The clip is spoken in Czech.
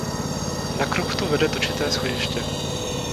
Na kruchtu vede točité schodiště.